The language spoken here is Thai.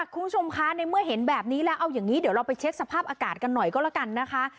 คุณผู้ชมคะในเมื่อเห็นแบบนี้แล้วเอาอย่างนี้เดี๋ยวเราไปเช็คสภาพอากาศกันหน่อยก็แล้วกันนะคะ